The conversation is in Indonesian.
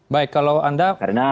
baik kalau anda